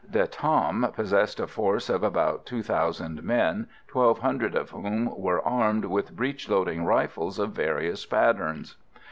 De Tam possessed a force of about two thousand men, twelve hundred of whom were armed with breech loading rifles of various patterns.